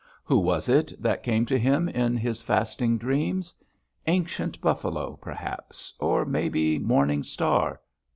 Who was it that came to him in his fasting dreams? Ancient Buffalo, perhaps; or, maybe, Morning Star.